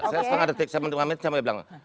saya setengah detik saya menunggu amit sampai bilang